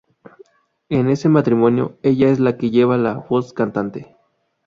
En ese matrimonio ella es la que lleva la voz cantante